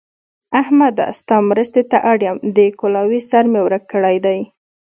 احمده! ستا مرستې ته اړ يم؛ د کلاوې سر مې ورک کړی دی.